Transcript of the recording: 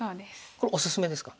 これおすすめですか。